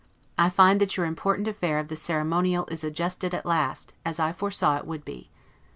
I find that your important affair of the ceremonial is adjusted at last, as I foresaw it would be.